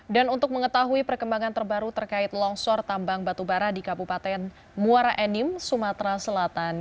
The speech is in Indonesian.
dan untuk mengetahui perkembangan terbaru terkait longsor tambang batu bara di kabupaten muara enim sumatera selatan